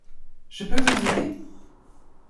Je peux vous aider ?